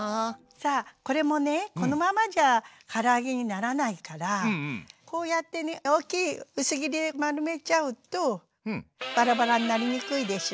さあこれもねこのままじゃから揚げにならないからこうやってね大きい薄切り丸めちゃうとバラバラになりにくいでしょ？